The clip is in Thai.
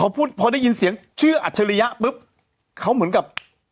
พอได้ยินเสียงเชื่ออัศยะปุ๊บเขาเหมือนกับ